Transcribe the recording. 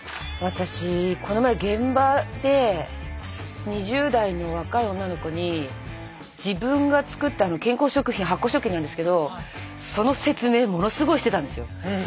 私この前現場で２０代の若い女の子に自分が作った健康食品発酵食品なんですけどその説明ものすごいしてたんですよ。